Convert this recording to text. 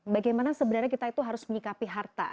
bagaimana sebenarnya kita itu harus menyikapi harta